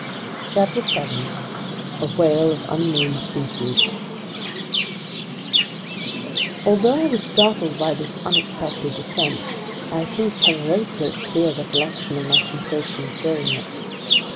CHAPTER 7 A Whale of Unknown Species ALTHOUGH I WAS startled by this unexpected descent, I at least have a very clear recollection of my sensations during it.